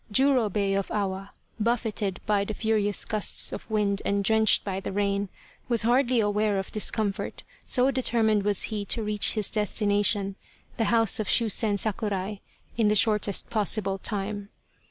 Jurobei of Awa, buffeted by the furious gusts of wind and drenched by the rain, was hardly aware of discomfort, so determined was he to reach his destina tion, the house of Shusen Sakurai, in the shortest possible time.